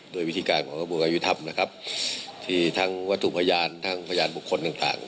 โดยวิธีการของกระบวนการยุทธรรมนะครับที่ทั้งวัตถุพยานทั้งพยานบุคคลต่างต่าง